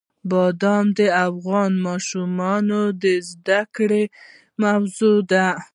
بادام د افغان ماشومانو د زده کړې موضوع ده.